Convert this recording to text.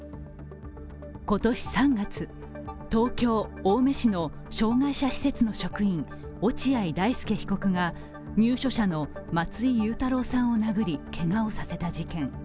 今年３月、東京・青梅市の障害者施設の職員、落合大丞被告が入所者の松井祐太朗さんを殴りけがをさせた事件。